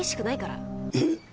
えっ！？